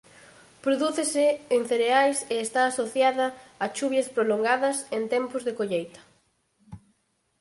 Prodúcese en cereais e está asociada a chuvias prolongadas en tempos de colleita.